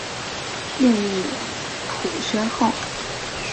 另译朴宣浩。